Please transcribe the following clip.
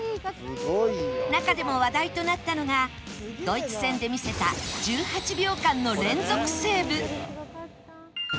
中でも話題となったのがドイツ戦で見せた１８秒間の連続セーブ